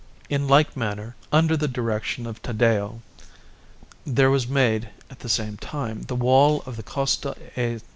In like manner, under the direction of Taddeo there was made at the said time the wall of the Costa a S.